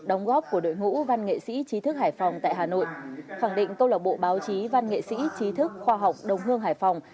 đóng góp của đội ngũ văn nghệ sĩ trí thức hải phòng tại hà nội khẳng định câu lạc bộ báo chí văn nghệ sĩ trí thức khoa học đồng hương hải phòng